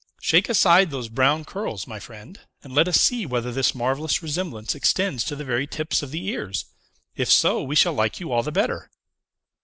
Shake aside those brown curls, my friend, and let us see whether this marvellous resemblance extends to the very tips of the ears. If so, we shall like you all the better!"